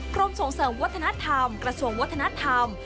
กรมส่งเสริมวัฒนธรรมกระทรวงวัฒนธรรม